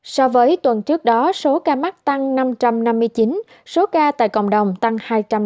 so với tuần trước đó số ca mắc tăng năm trăm năm mươi chín số ca tại cộng đồng tăng hai trăm ba mươi